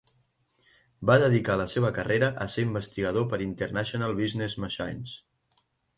Va dedicar la seva carrera a ser investigador per International Business Machines.